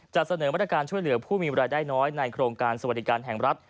จะเสนอมาตรการช่วยเหลือผู้มีเวลาได้น้อยในโครงการสวัสดิการแห่งรัฐ